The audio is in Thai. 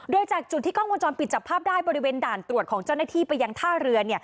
โดยจากจุดที่กล้องวงจรปิดจับภาพได้บริเวณด่านตรวจของเจ้าหน้าที่ไปยังท่าเรือ